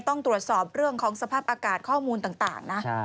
ต้องตรวจสอบเรื่องของสภาพอากาศข้อมูลต่างนะ